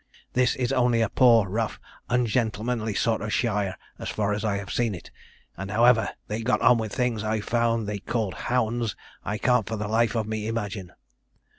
'This is only a poor, rough, ungentlemanly sort of shire, as far as I have seen it; and however they got on with the things I found that they called hounds I can't for the life of me imagine.